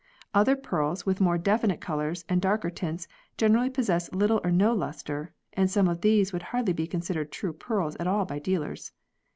Other pearls with more definite colours and darker tints generally possess little or no lustre, and some of these would hardly be con sidered true pearls at all by dealers.